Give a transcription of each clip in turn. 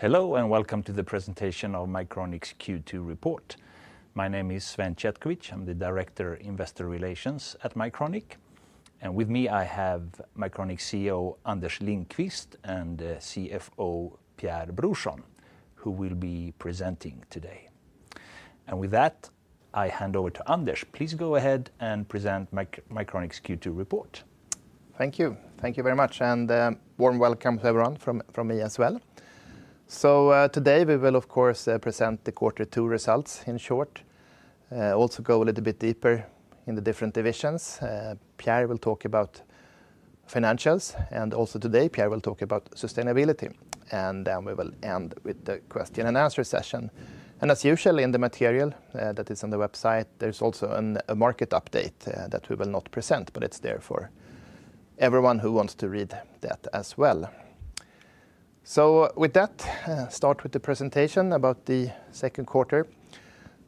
Hello, and welcome to the presentation of Micronix Q2 report. My name is Sven Chetkovic. I'm the Director, Investor Relations at Micronix. With me, I have Micronic's CEO, Anders Lindquist and CFO, Pierre Bruschon, who will be presenting today. And with that, I hand over to Anders. Please go ahead and present Micronic's Q2 report. Thank you very much, and warm welcome, everyone, from me as well. So today, we will, of course, present the quarter two results in short, also go a little bit deeper in the different divisions. Pierre will talk about financials. And also today, Pierre will talk about sustainability. And then we will end with the question and answer session. And as usual in the material that is on the website, there's also a market update that we will not present, but it's there for everyone who wants to read that as well. So with that, I'll start with the presentation about the second quarter.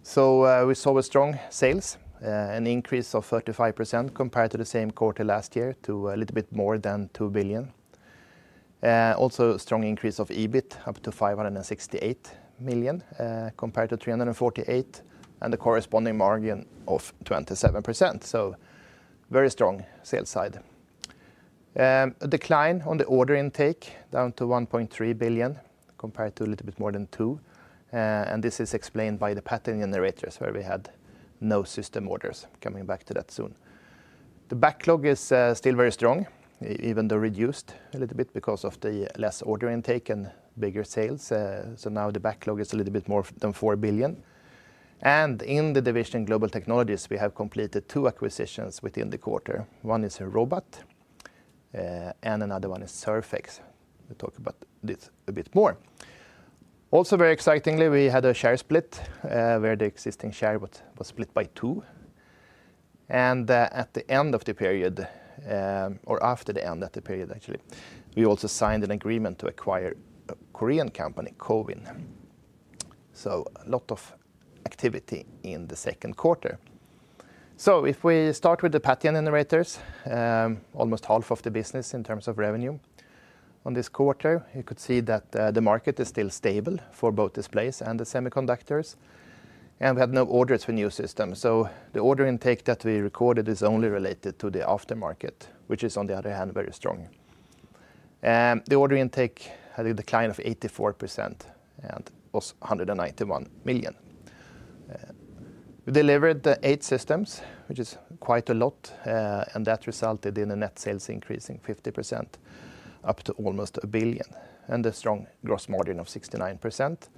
So we saw a strong sales, an increase of 35% compared to the same quarter last year to a little bit more than 2 billion. Also a strong increase of EBIT up to 568 million compared to 348 million and the corresponding margin of 27%. So very strong sales side. A decline on the order intake down to 1,300,000,000.0 compared to a little bit more than 2,000,000,000. And this is explained by the Pattern Generators where we had no system orders coming back to that soon. The backlog is still very strong, even though reduced a little bit because of the less order intake and bigger sales. So now the backlog is a little bit more than 4,000,000,000. And in the division Global Technologies, we have completed two acquisitions within the quarter. One is Robot and another one is Surfex. We'll talk about this a bit more. Also very excitingly, we had a share split where the existing share was split by two. And at the end of the period or after the end of the period actually, we also signed an agreement to acquire a Korean company, CoVIN. So a lot of activity in the second quarter. So if we start with the Patian Generators, almost half of the business in terms of revenue on this quarter, you could see that the market is still stable for both displays and the semiconductors. And we have no orders for new systems. So the order intake that we recorded is only related to the aftermarket, which is on the other hand very strong. The order intake had a decline of 84% and was 191,000,000. We delivered eight systems, which is quite a lot, and that resulted in a net sales increasing 50%, up to almost 1,000,000,000 and a strong gross margin of 69%.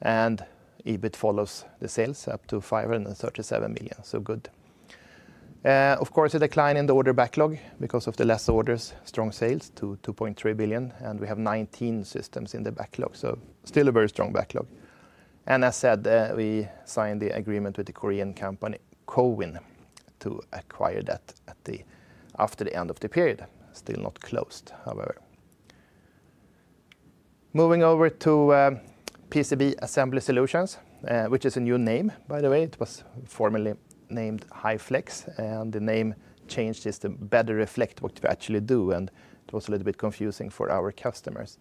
And EBIT follows the sales up to SEK $537,000,000, so good. Of course, a decline in the order backlog because of the less orders, strong sales to 2,300,000,000.0, and we have 19 systems in the backlog, so still a very strong backlog. And as said, we signed the agreement with the Korean company, Cowen, to acquire that at the after the end of the period, still not closed however. Moving over to PCB Assembly Solutions, which is a new name, by the way. It was formerly named HyFlex, and the name changes to better reflect what we actually do, and it was a little bit confusing for our customers.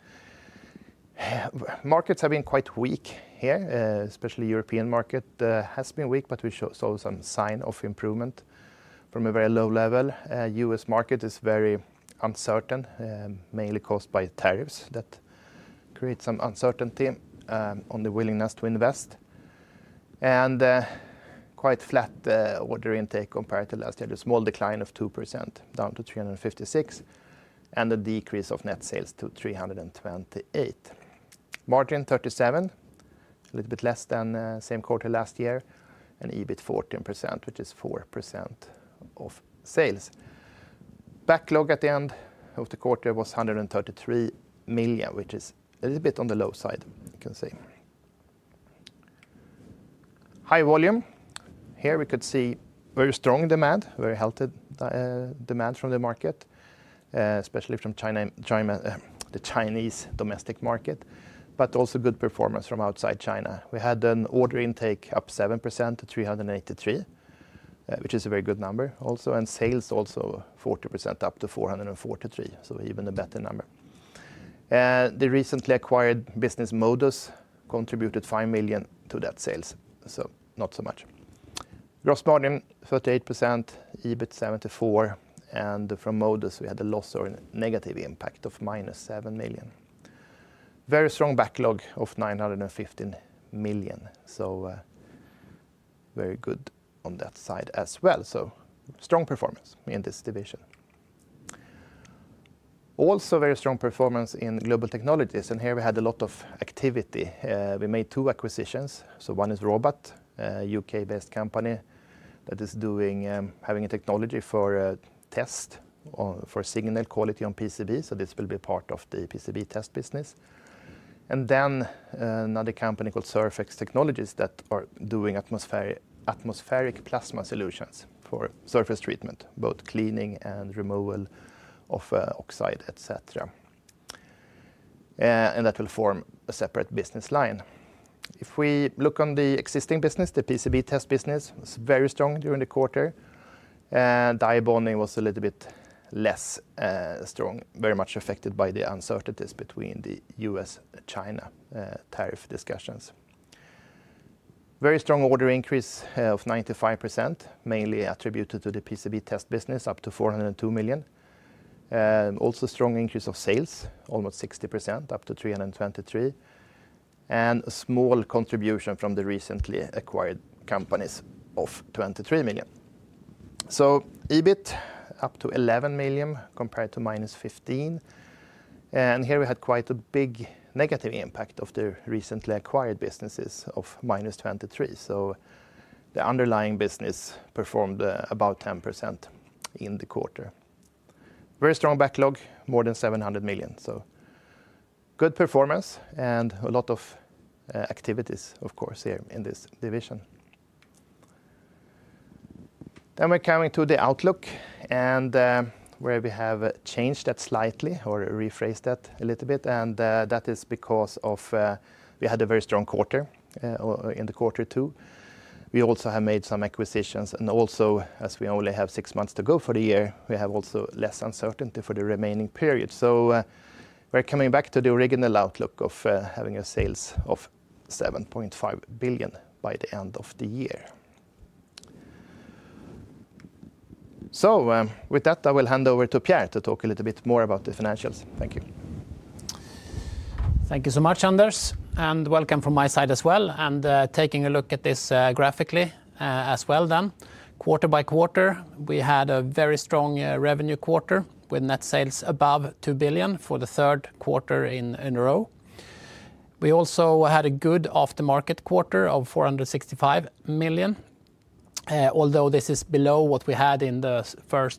Markets have been quite weak here, especially European market has been weak, but we saw some sign of improvement from a very low level. U. S. Market is very uncertain, mainly caused by tariffs that create some uncertainty on the willingness to invest. And quite flat order intake compared to last year, a small decline of 2% down to SEK $3.56 and a decrease of net sales to SEK $328,000,000. Margin, 37,000,000, a little bit less than same quarter last year and EBIT, percent, which is 4% of sales. Backlog at the end of the quarter was 133,000,000, which is a little bit on the low side, you can see. High volume. Here we could see very strong demand, very healthy demand from the market, especially from the Chinese domestic market, but also good performance from outside China. We had an order intake up 7% to SEK $383,000,000, which is a very good number also and sales also 40% up to $443,000,000 so even a better number. The recently acquired business Modus contributed $5,000,000 to that sales, so not so much. Gross margin, 38% EBIT, dollars 74,000,000. And from Modus, we had a loss or a negative impact of minus $7,000,000 Very strong backlog of $915,000,000 so very good on that side as well. So strong performance in this division. Also very strong performance in Global Technologies. And here we had a lot of activity. We made two acquisitions. So one is Robot, a U. K.-based company that is doing having a technology for test for signal quality on PCB. So this will be part of the PCB test business. And then another company called Surfex Technologies that are doing atmospheric plasma solutions for surface treatment, both cleaning and removal of oxide, etcetera. And that will form a separate business line. If we look on the existing business, the PCB test business was very strong during the quarter and the eyeballing was a little bit less strong, very much affected by the uncertainties between The U. S.-China tariff discussions. Very strong order increase of 95%, mainly attributed to the PCB test business up to $4.00 $2,000,000 also strong increase of sales, almost 60% up to $3.23 and a small contribution from the recently acquired companies of $23,000,000 So EBIT up to $11,000,000 compared to minus 15 And here we had quite a big negative impact of the recently acquired businesses of minus 23,000,000 So the underlying business performed about 10% in the quarter. Very strong backlog, more than 700,000,000. So good performance and a lot of activities, of course, here in this division. Then we're coming to the outlook and where we have changed that slightly or rephrase that a little bit. And that is because of we had a very strong quarter in the quarter two. We also have made some acquisitions. And also, as we only have six months to go for the year, we have also less uncertainty for the remaining period. So we're coming back to the original outlook of having a sales of 7,500,000,000.0 by the end of the year. So with that, I will hand over to Pierre to talk a little bit more about the financials.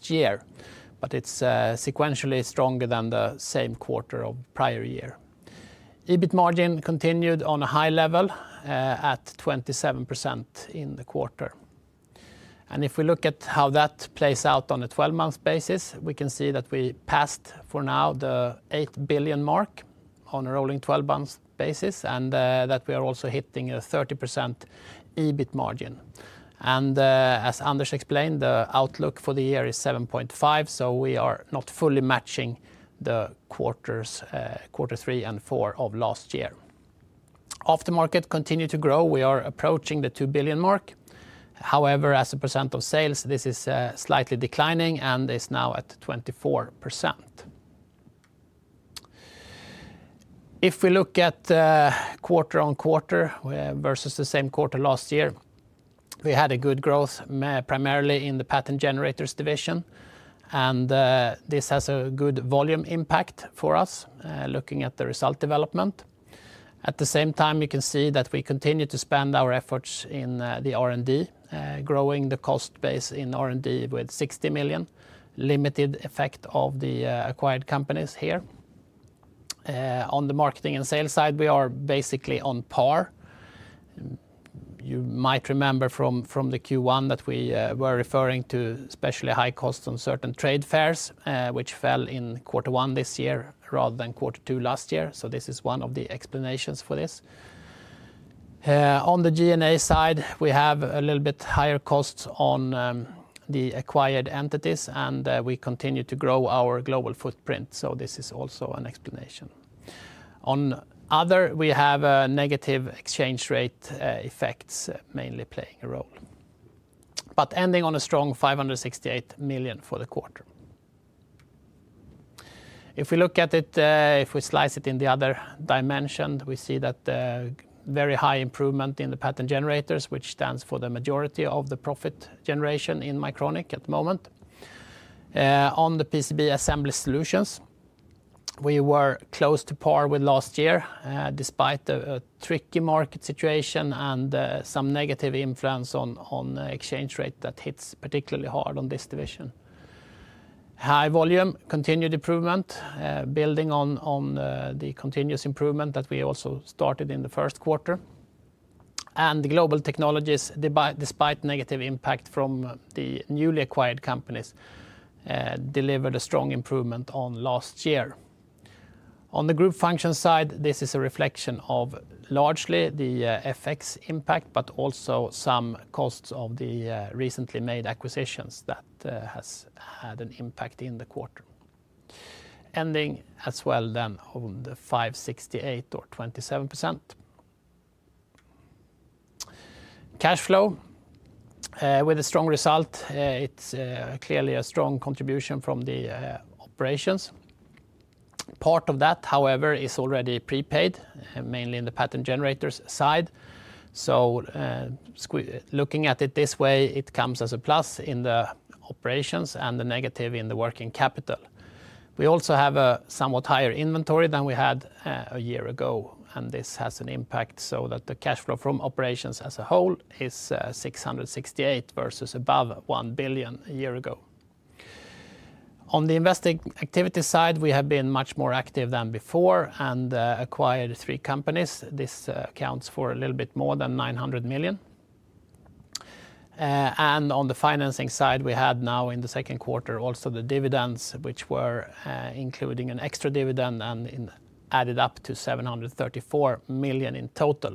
Thank you. Thank look at quarter on quarter versus the same quarter last year, we had a good growth primarily in the Patent Generators division. And this has a good volume impact for us looking at the result development. At the same time, you can see that we continue to spend our efforts in the R and D, growing the cost base in R and D with 60,000,000, limited effect of the acquired companies here. On the marketing and sales side, we are basically on par. You might remember from the Q1 that we were referring to especially high cost on certain trade fairs, which fell in quarter one this year rather than quarter two last year. So this is one of the explanations for this. On the G and A side, we have a little bit higher costs on the acquired entities, and we continue to grow our global footprint. So this is also an explanation. On other, we have negative exchange rate effects mainly playing a role, but ending on a strong SEK $568,000,000 for the quarter. If we look at it, if we slice it in the other dimension, we see that very high improvement in the Pattern Generators, which stands for the majority of the profit generation in Micronik at the moment. On the PCB Assembly Solutions, we were close to par with last year despite a tricky market situation and some negative influence on exchange rate that hits particularly hard on this division. High volume continued improvement, building on the continuous improvement that we also started in the first quarter. And the Global Technologies, despite negative impact from the newly acquired companies, delivered a strong improvement on last year. On the group functions side, this is a reflection of largely the FX impact, but also some costs of the recently made acquisitions has had an impact in the quarter, ending as well then on the 5.68% or 27%. Cash flow with a strong result. It's clearly a strong contribution from the operations. Part of that, however, is already prepaid, mainly in the Pattern Generators side. So looking at it this way, it comes as a plus in the operations and the negative in the working capital. We also have a somewhat higher inventory than we had a year ago, and this has an impact so that the cash flow from operations as a whole is SEK $668,000,000 versus above 1,000,000,000 a year ago. On the investing activities side, we have been much more active than before and acquired three companies. This accounts for a little bit more than 900,000,000. And on the financing side, we had now in the second quarter also the dividends, which were including an extra dividend and added up to SEK $734,000,000 in total.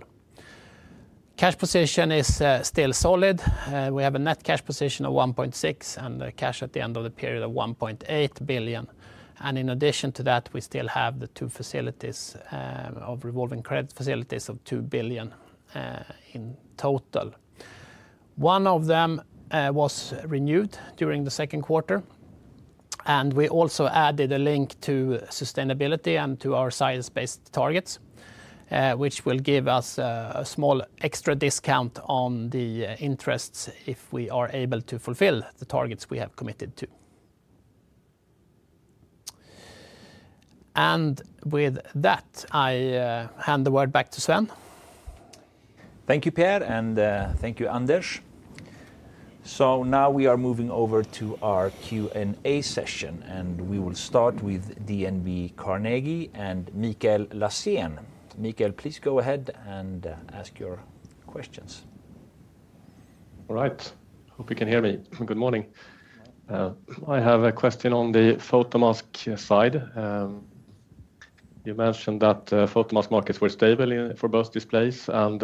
Cash position is still solid. We have a net cash position of 1,600,000,000.0 and cash at the end of the period of 1,800,000,000.0. And in addition to that, we still have the two facilities of revolving credit facilities of 2,000,000,000 in total. One of them was renewed during the second quarter, and we also added a link to sustainability and to our science based targets, which will give us a small extra discount on the interests if we are able to fulfill the targets we have committed to. And with that, I hand the word back to Sven. Thank you, Per, and thank you, Anders. So now we are moving over to our Q session, and we will start with DNB Carnegie and Mikael Lassien. Mikael, please go ahead and ask your questions. All right. Hope you can hear me. Good morning. I have a question on the photomask side. You mentioned that photomask markets were stable for both displays and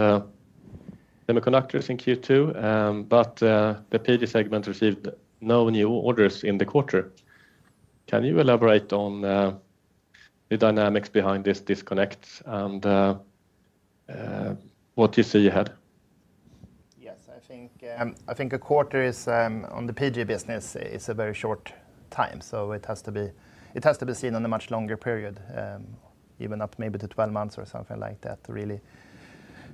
semiconductors in Q2, but the PD segment received no new orders in the quarter. Can you elaborate on the dynamics behind this disconnect and what you see ahead? Yes. I think a quarter is on the PG business, it's a very short time. So it has to be seen on a much longer period, even up maybe to twelve months or something like that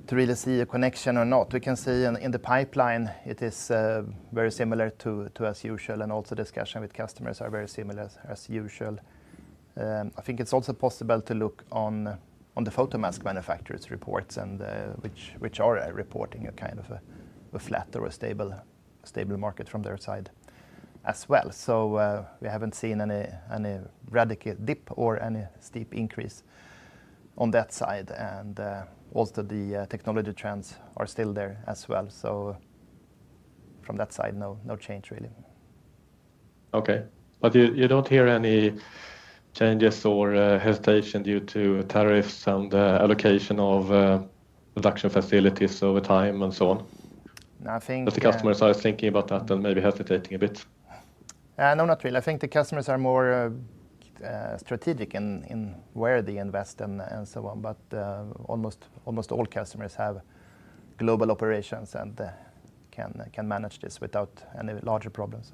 to really see a connection or not. We can see in the pipeline, is very similar to as usual and also discussion with customers are very similar as usual. I think it's also possible to look on the photomask manufacturers' reports and which are reporting a kind of a flat or a stable market from their side as well. So we haven't seen any radical dip or any steep increase on that side. And also the technology trends are still there as well. So from that side, change really. Okay. But you don't hear any changes or hesitation due to tariffs and allocation of production facilities over time and so on? Think But the customers are thinking about that and maybe hesitating a bit? No, not really. I think the customers are more strategic in where they invest and so on. But almost all customers have global operations and can manage this without any larger problems.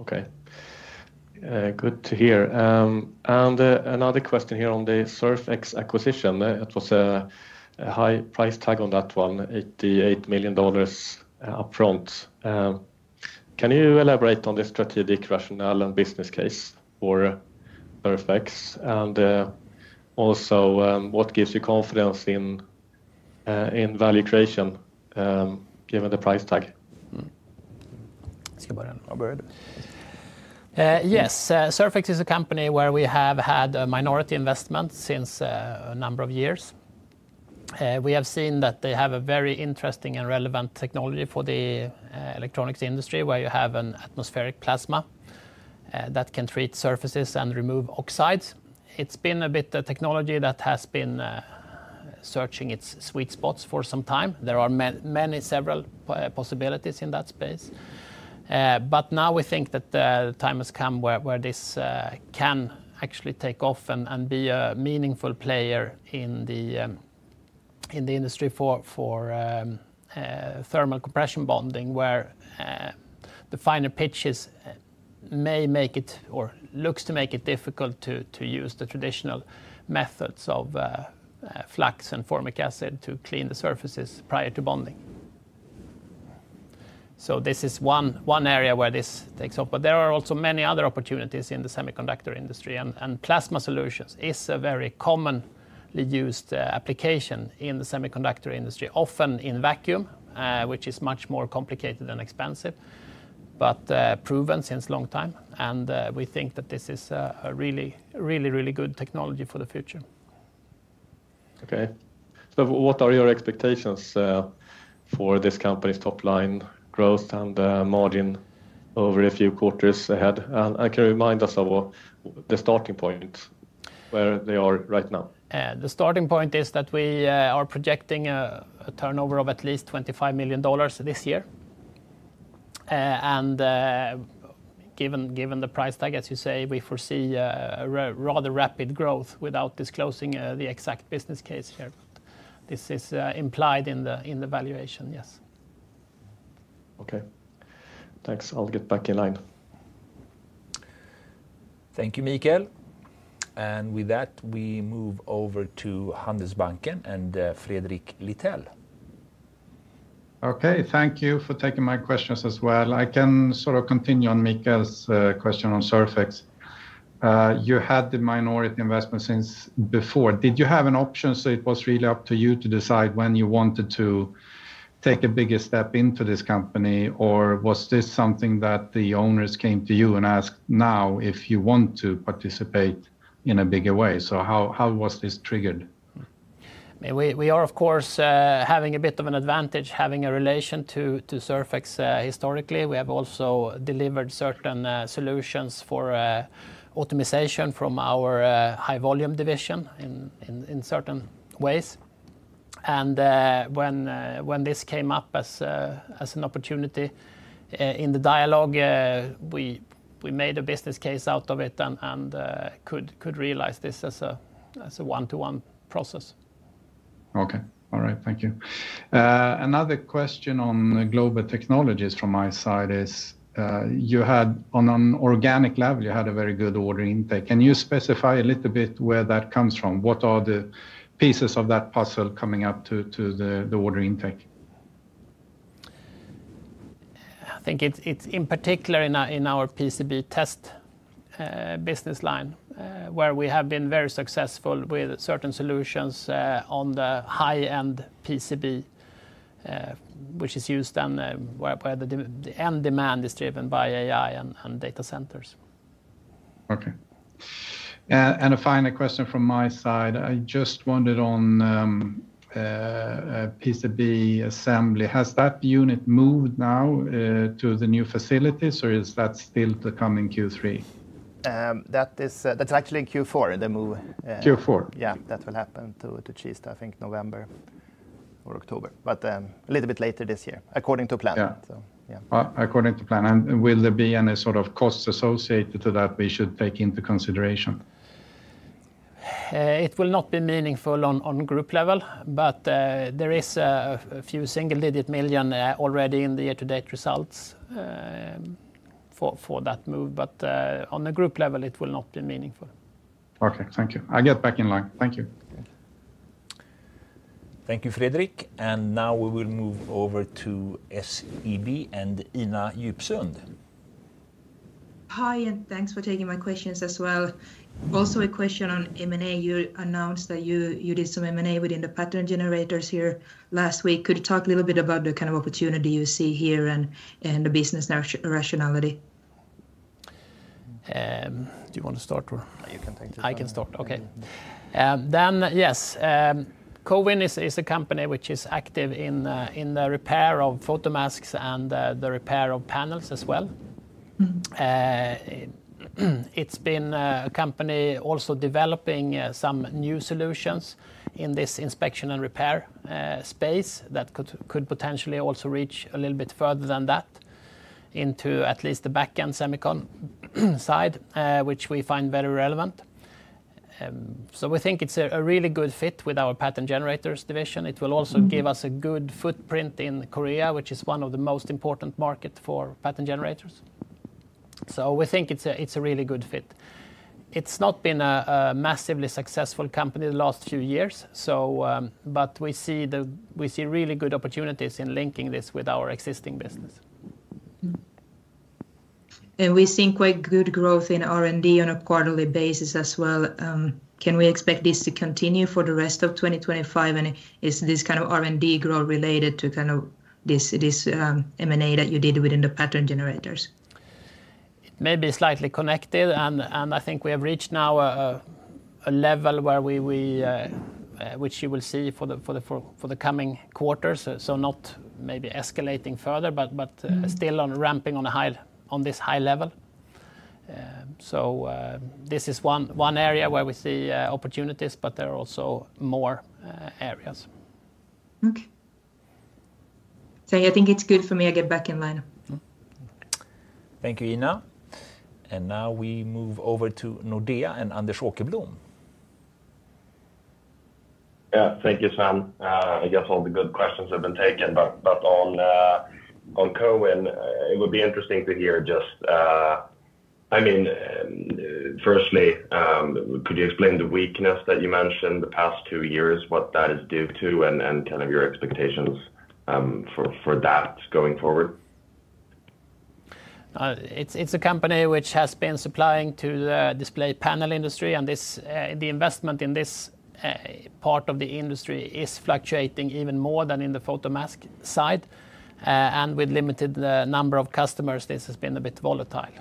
Okay. Good to hear. And another question here on the Surfex acquisition. It was a high price tag on that $188,000,000 upfront. Can you elaborate on the strategic rationale and business case for Perfex? And also, what gives you confidence in value creation given the price tag? Yes. Surfix is a company where we have had minority investments since a number of years. We have seen that they have a very interesting and relevant technology for the electronics industry where you have an atmospheric plasma that can treat surfaces and remove oxides. It's been a bit of technology that has been searching its sweet spots for some time. There are many several possibilities in that space. But now we think that the time has come where this can actually take off and be a meaningful player in the industry for thermal compression bonding, where the finer pitches may make it or looks to make it difficult to use the traditional methods of flux and formic acid to clean the surfaces prior to bonding. So this is one area where this takes off. But there are also many other opportunities in the semiconductor industry, and plasma solutions is a very commonly used application in the semiconductor industry, often in vacuum, which is much more complicated than expensive, but proven since a long time. And we think that this is a really, really, really good technology for the future. Okay. So what are your expectations for this company's top line growth and margin over a few quarters ahead? And can you remind us of the starting point, where they are right now? The starting point is that we are projecting a turnover of at least $25,000,000 this year. And given the price tag, as you say, we foresee rather rapid growth without disclosing the exact business case here. This is implied in the valuation, yes. Okay. Thanks. I'll get back in line. Thank you, Mikael. And with that, we move over to Handelsbanken and Friedrich Litel. Okay. Thank you for taking my questions as well. I can sort of continue on Mikael's question on SurFex. You had the minority investment since before. Did you have an option, so it was really up to you to decide when you wanted to take a bigger step into this company? Or was this something that the owners came to you and asked now if you want to participate in a bigger way? So how was this triggered? We are, of course, having a bit of an advantage having a relation to Surfex historically. We have also delivered certain solutions for optimization from our high volume division in certain ways. And when this came up as an opportunity in the dialogue, we made a business case out of it and could realize this as a one to one process. Okay. All right. Another question on Global Technologies from my side is you had on an organic level, you had a very good order intake. Can you specify a little bit where that comes from? What are the pieces of that puzzle coming up to the order intake? Think it's in particular in our PCB test business line, where we have been very successful with certain solutions on the high end PCB, which is used where the end demand is driven by AI and data centers. Okay. And a final question from my side. I just wondered on PCB assembly. Has that unit moved now to the new facilities? Or is that still to come in Q3? That is that's actually in Q4, the move. Q4? Yes. That will happen to Chista, I think, November or October, but a little bit later this year according to plan. Yes. According to plan. And will there be any sort of costs associated to that we should take into consideration? It will not be meaningful on group level, but there is a few single digit million already in the year to date results for that move. But on the group level, it will not be meaningful. Okay. Thank you. I'll get back in line. Thank you. Thank you, Fredrik. And now we will move over to SEB and Inna Jibson. Hi, and thanks for taking my questions as well. Also a question on M and A. You announced that you did some M and A within the pattern generators here last week. Could you talk a little bit about the kind of opportunity you see here and the business rationality? Do you want to start or You can take it. I can start. Okay. Then yes, CoVIN is a company which is active in the repair of photomasks and the repair of panels as well. It's been a company also developing some new solutions in this inspection and repair space that could potentially also reach a little bit further than that into at least the back end semicon side, which we find very relevant. So we think it's a really good fit with our Pattern Generators division. It will also give us a good footprint in Korea, which is one of the most important market for Pattern Generators. So we think it's a really good fit. It's not been a massively successful company in the last few years, so but we really good opportunities in linking this with our existing business. And we're seeing quite good growth in R and D on a quarterly basis as well. Can we expect this to continue for the rest of 2025? And is this kind of R and D growth related to kind of this M and A that you did within the pattern generators? Maybe slightly connected. And I think we have reached now a level where we which you will see for the coming quarters, so not maybe escalating further, still ramping on this high level. So this is one area where we see opportunities, but there are also more areas. So I think it's good for me to get back in line. Thank you, Ina. And now we move over to Nordea and Anders Holke Bloom. Yes. Thank you, Sam. I guess all the good questions have been taken. On Cohen, it would be interesting to hear just I mean, firstly, could you explain the weakness that you mentioned the past two years, what that is due to and kind of your expectations for that going forward? It's a company which has been supplying to the display panel industry. And this the investment in this part of the industry is fluctuating even more than in the photomask side. And with limited number of customers, this has been a bit volatile.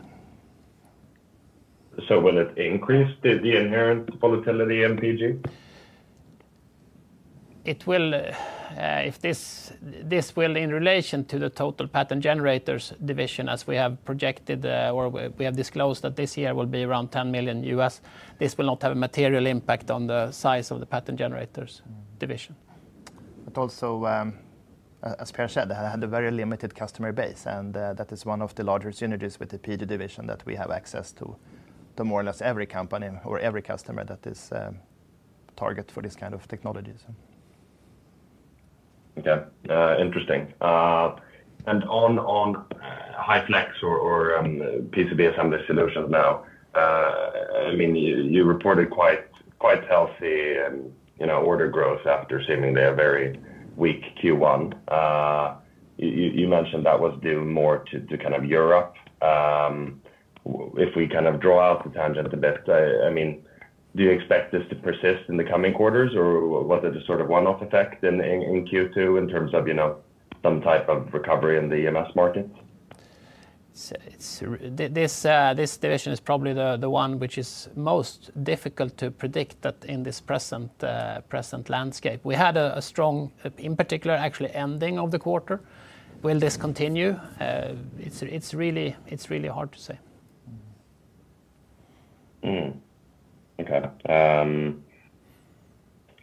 So will it increase the inherent volatility in PG? It will if this will, in relation to the total Pattern Generators division, as we have projected or we have disclosed that this year will be around 10,000,000, this will not have a material impact on the size of the Pattern Generators division. But also, as Per said, they had a very limited customer base, and that is one of the larger synergies with the PG division that we have access to more or less every company or every customer that is target for this kind of technologies. Okay. Interesting. And on HyFlex or PCB assembly solutions now, mean, you reported quite healthy order growth after assuming they have very weak Q1. You mentioned that was due more to kind of Europe. If we kind of draw out the tangent a bit, I mean, do you expect this to persist in the coming quarters? Or was it a sort of one off effect in Q2 in terms of some type of recovery in the EMS market? This division is probably the one which is most difficult to predict that in this present landscape. We had a strong in particular, actually ending of the quarter. Will this continue? It's really hard to say. Okay.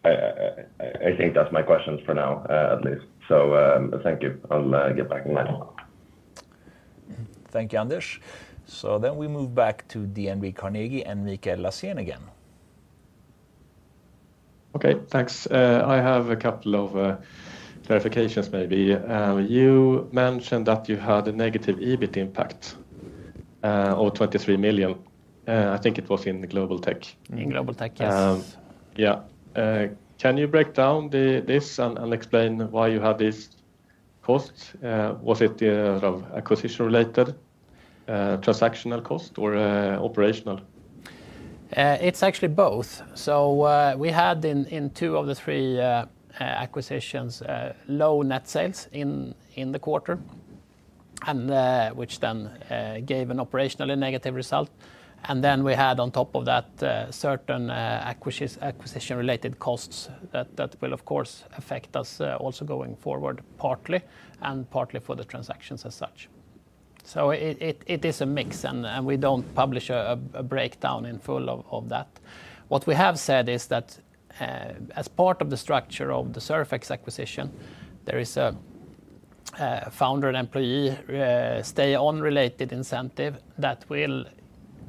I think that's my questions for now, at least. So thank you. I'll get back in line. Thank you, Anders. So then we move back to DNB Carnegie and Mikael Lassienne again. Okay. Thanks. I have a couple of clarifications maybe. You mentioned that you had a negative EBIT impact of 23,000,000. I think it was in the Global Teck. In Global Teck, yes. Yes. Can you break down this and explain why you have these costs? Was it acquisition related, transactional cost or operational? It's actually both. So we had in two of the three acquisitions low net sales in the quarter and which then gave an operationally negative result. And then we had on top of that certain acquisition related costs that will, of course, affect us also going forward partly and partly for the transactions as such. So it is a mix, and we don't publish a breakdown in full of that. What we have said is that as part of the structure of the Surfex acquisition, there is a founder and employee stay on related incentive that will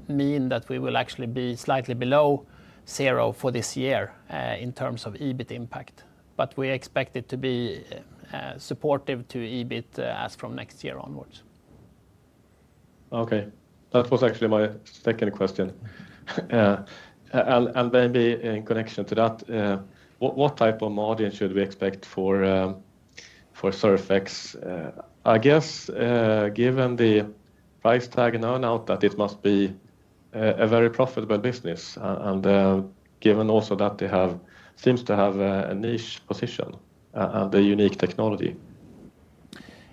mean that we will actually be slightly below zero for this year in terms of EBIT impact, but we expect it to be supportive to EBIT as from next year onwards. Okay. That was actually my second question. And then in connection to that, what type of margin should we expect for Surfex? I guess, the price tag now that it must be a very profitable business and given also that they have seems to have a niche position and a unique technology?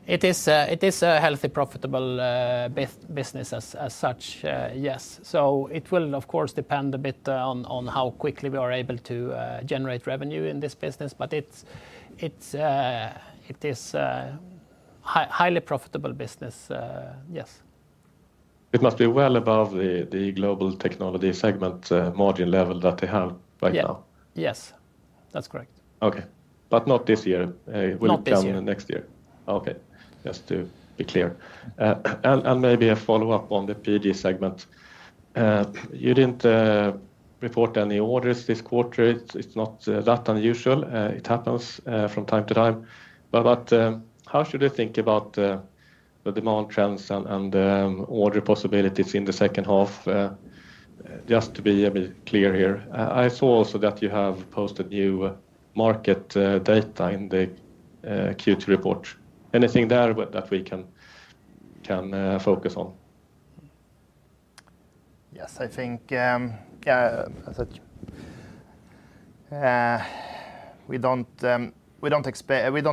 It is a healthy profitable business as such, yes. So it will, of course, depend a bit on how quickly we are able to generate revenue in this business. But it is a highly profitable business, yes. It must be well above the Global Technology segment margin level that they have right Yes. Yes. That's correct. Okay. But not this year? It will Not this come year. In next Okay. Just to be clear. And maybe a follow-up on the PD segment. You didn't report any orders this quarter. It's not that unusual. It happens from time to time. But how should I think about the demand trends and order possibilities in the second half, just to be a bit clear here? I saw also that you have posted new market data in the Q2 report. Anything there that we can focus on? Yes. I think we expect we don't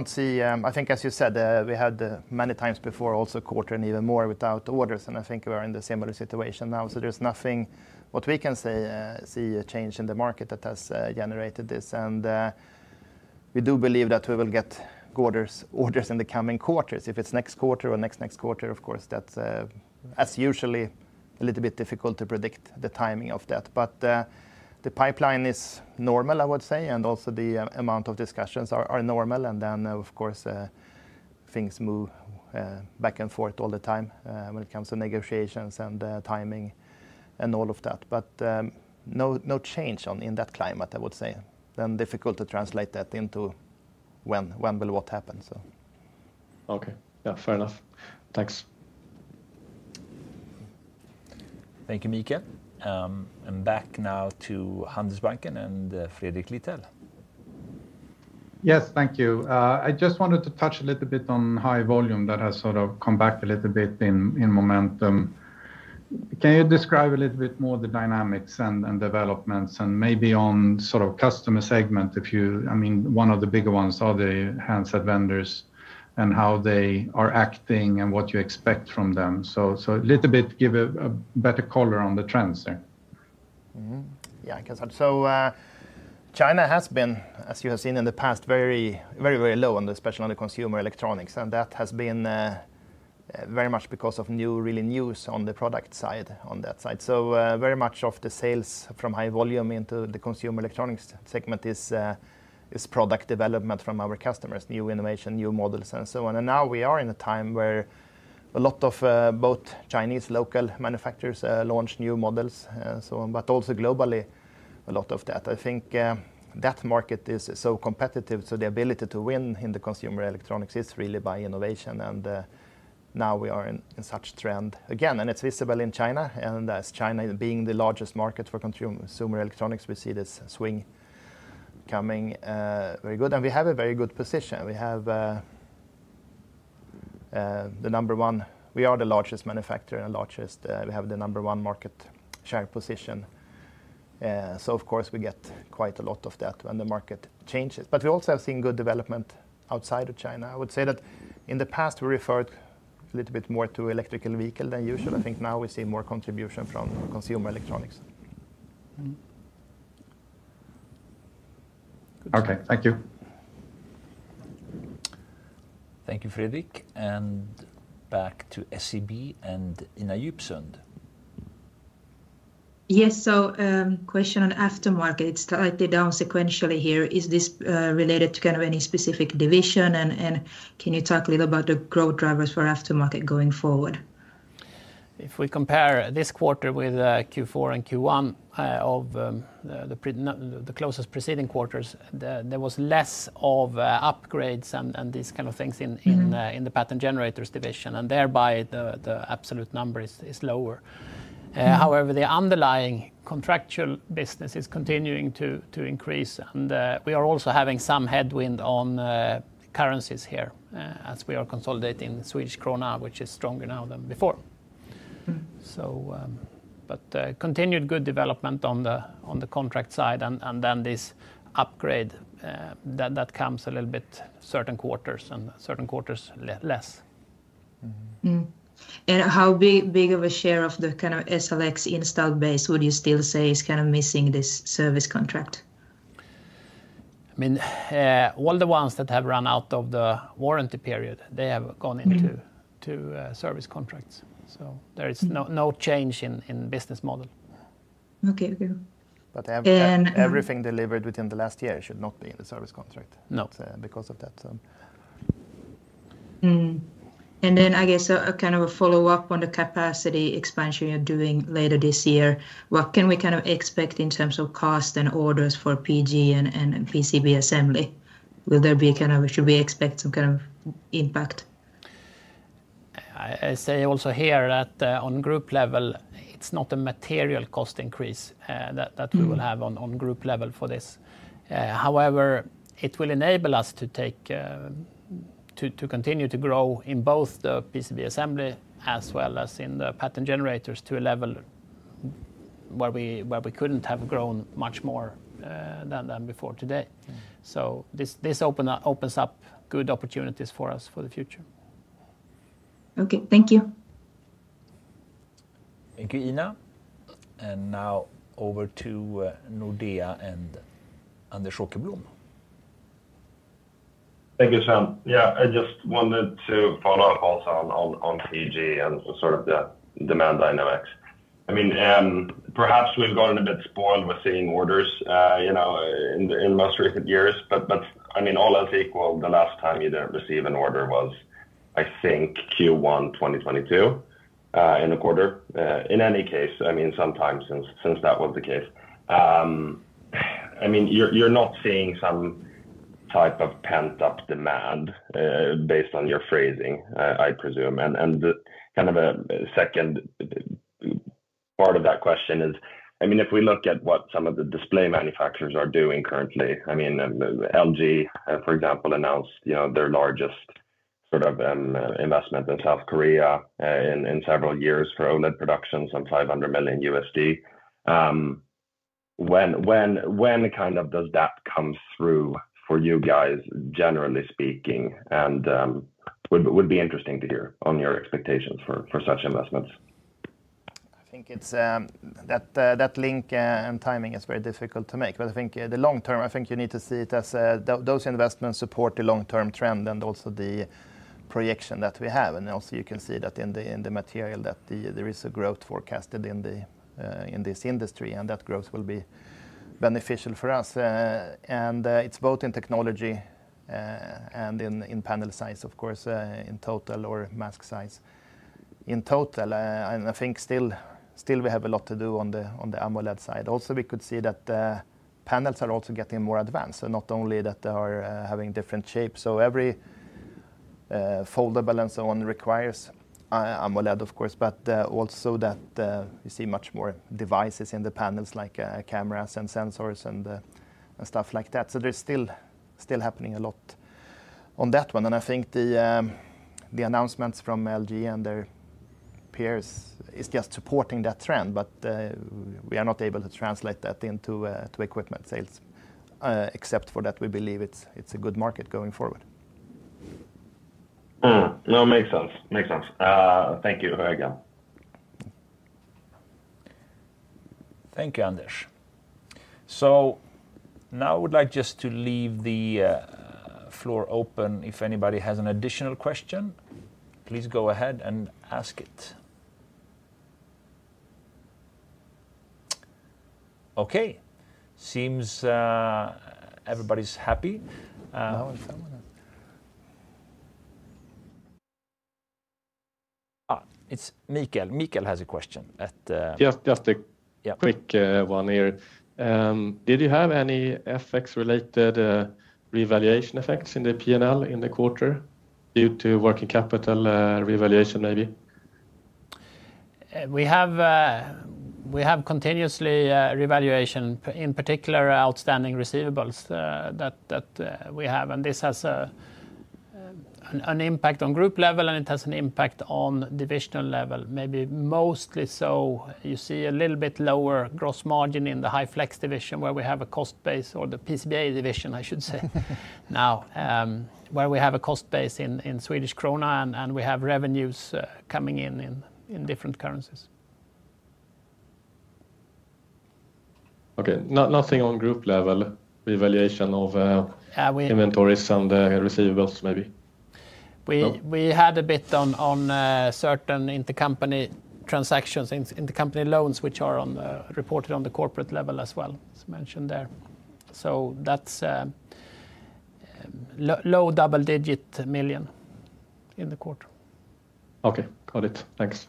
see I think, as you said, we had many times before also quarter and even more without orders, and I think we are in the similar situation now. So there's nothing what we can say see a change in the market that has generated this. And we do believe that we will get orders in the coming quarters. If it's next quarter or next next quarter, of course, that's usually a little bit difficult to predict the timing of that. But the pipeline is normal, I would say, and also the amount of discussions are normal. And then, of course, things move back and forth all the time when it comes to negotiations and timing and all of that. But no change in that climate, I would say. And difficult to translate that into when will what happen, so. Okay. Yes, fair enough. Thanks. Thank you, Mikael. And back now to Anders Branken and Friedrich Litel. Yes, thank you. I just wanted to touch a little bit on high volume that has sort of come back a little bit in momentum. Can you describe a little bit more the dynamics and developments? And maybe on sort of customer segment, if you I mean, one of the bigger ones are the handset vendors and how they are acting and what you expect from them. So a little bit give a better color on the trends there. Yes, guess so China has been, as you have seen in the past, very, very low on the especially on the consumer electronics. And that has been very much because of new really news on the product side on that side. So very much of the sales from high volume into the consumer electronics segment is product development from our customers, new innovation, new models and so on. And now we are in a time where a lot of both Chinese local manufacturers launch new models and so on, but also globally, a lot of that. I think that market is so competitive, so the ability to win in the consumer electronics is really by innovation. And now we are in such trend again, and it's visible in China. And as China being the largest market for consumer electronics, we see this swing coming very good. And we have a very good position. We have the number one we are the largest manufacturer and largest we have the number one market share position. So of course, we get quite a lot of that when the market changes. But we also have seen good development outside of China. I would say that in the past, we referred a little bit more to electrical vehicle than usual. I think now we see more contribution from consumer electronics. Okay. Thank you. Thank you, Fredrik. And back to SEB and Inna Joobsund. Yes. So question on aftermarket, it's slightly down sequentially here. Is this related to kind of any specific division? And can you talk a little about the growth drivers for aftermarket going forward? If we compare this quarter with Q4 and Q1 of closest preceding quarters, there was less of upgrades and these kind of things in the Patent Generators division, and thereby, the absolute number is lower. However, the underlying contractual business is continuing to increase, and we are also having some headwind on currencies here as we are consolidating Swedish krona, which is stronger now than before. So but continued good development on the contract side and then this upgrade that comes a little bit certain quarters and certain quarters less. And how big of a share of the kind of SLX installed base would you still say is kind of missing this service contract? I mean, all the ones that have run out of the warranty period, they have gone into service contracts. So there is no change in business model. But everything delivered within the last year should not be in the service contract, not because of that. Then I guess a kind of a follow-up on the capacity expansion you're doing later this year. What can we kind of expect in terms of cost and orders for PG and PCB assembly? Will there be kind of should we expect some kind of impact? Say also here that on group level, it's not a material cost increase that we will have on group level for this. However, it will enable us to take to continue to grow in both the PCB assembly as well as in the Patent Generators to a level where we couldn't have grown much more than before today. So this opens up good opportunities for us for the future. Okay. Thank you. Thank you, Ina. And now over to Nordea and Anders Holkeblum. Thank you, Sam. Yes, I just wanted to follow-up also on PG and sort of the demand dynamics. I mean perhaps we've gotten a bit spoiled with seeing orders in most recent years. But I mean, all else equal, the last time you didn't receive an order was, I think, Q1 twenty twenty two in the quarter. In any case, I mean, sometimes since that was the case. I mean, you're not seeing some type of pent up demand based on your phrasing, I presume. And kind of a second part of that question is, I mean, if we look at what some of the display manufacturers are doing currently, I mean, LG, for example, announced their largest sort of investment in South Korea in several years for OLED production, some 500,000,000 USD. When kind of does that come through for you guys, generally speaking? And would be interesting to hear on your expectations for such investments? I think it's that link and timing is very difficult to make. But I think the long term, I think you need to see it as those investments support the long term trend and also the projection And also you can see that in material that there is a growth forecasted in this industry and that growth will be beneficial for us. And it's both in technology and in panel size, of course, in total or mask size. In total, I think still we have a lot to do on the AMOLED side. Also, could see that panels are also getting more advanced, so not only that they are having different shapes. So every foldable and so on requires AMOLED, of course, but also that you see much more devices in the panels like cameras and sensors and stuff like that. So there's still happening a lot on that one. And I think the announcements from LG and their peers is just supporting that trend, but we are not able to translate that into equipment sales, except for that we believe it's a good market going forward. No, makes sense. Makes sense. Thank you very much. Thank you, Anders. So now I would like just to leave the floor open. If anybody has an additional question, please go ahead and ask it. Okay. Seems everybody is happy. It's Mikael. Mikael has a question at Just a quick Did one you have any FX related revaluation effects in the P and L in the quarter due to working capital revaluation maybe? We have continuously revaluation, in particular, outstanding receivables that we have. And this has an impact on group level, and it has an impact on divisional level, maybe mostly so you see a little bit lower gross margin in the HyFlex division, where we have a cost base or the PCBA division, I should say, now where we have a cost base in Swedish krona, and we have revenues coming in different currencies. Okay. Nothing on group level, revaluation of inventories and receivables maybe? We had a bit on certain intercompany transactions, intercompany loans, which are on reported on the corporate level as well, as mentioned there. So that's low double digit million in the quarter. Okay, got it. Thanks.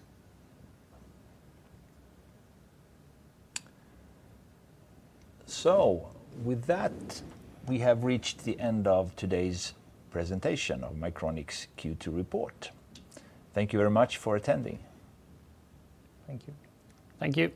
So with that, we have reached the end of today's presentation of Micronix Q2 report. Thank you very much for attending. Thank you. Thank you.